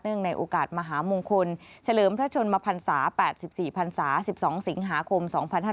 เนื่องในโอกาสมหามงคลเฉลิมพระชนมภัณฑ์ศาสตร์๘๔ภัณฑ์ศาสตร์๑๒สิงหาคม๒๕๕๙